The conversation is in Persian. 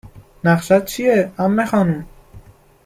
نقشت چیه ؟ عمه خانم ؟